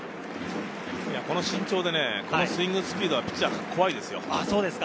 この身長でこのスイングスピードはピッチャーは怖いですよ。